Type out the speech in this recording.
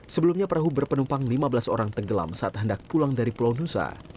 sebelumnya perahu berpenumpang lima belas orang tenggelam saat hendak pulang dari pulau nusa